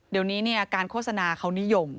เดี๋ยวนี้การโฆษณาเขานิยม